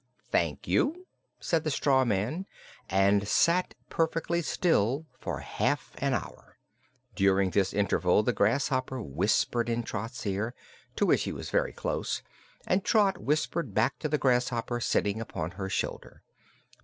"Thank you," said the straw man, and sat perfectly still for half an hour. During this interval the grasshopper whispered in Trot's ear, to which he was very close, and Trot whispered back to the grasshopper sitting upon her shoulder.